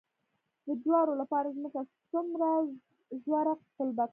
د جوارو لپاره ځمکه څومره ژوره قلبه کړم؟